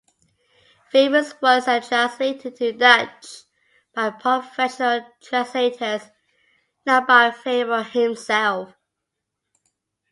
Faber's works are translated into Dutch by professional translators, not by Faber himself.